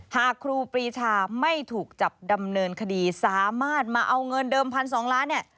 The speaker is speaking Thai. ครูปรีชาไม่ถูกจับดำเนินคดีสามารถมาเอาเงินเดิมพันสองล้านเนี่ย